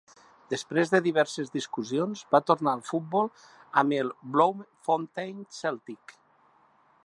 Després de diverses discussions, va tornar al futbol amb el Bloemfontein Celtic.